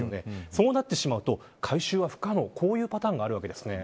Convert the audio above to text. そうなってしまうと回収が不可能というこういうパターンがあります。